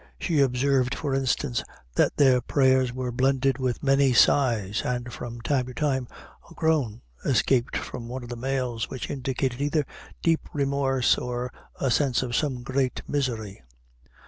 She observed, for instance, that their prayers were blended with many sighs, and from time to time, a groan escaped from one of the males, which indicated either deep remorse or a sense of some great misery.